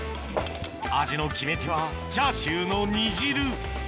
味の決め手はチャーシューの煮汁